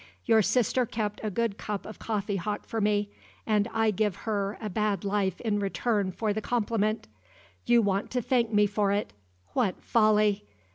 Your sister kept a good cup of coffee hot for me, and I give her a bad life in return for the compliment. You want to thank me for it? What folly!